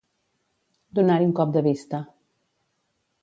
Donar-hi un cop de vista.